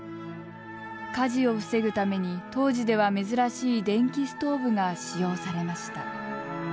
火事を防ぐために当時では珍しい電気ストーブが使用されました。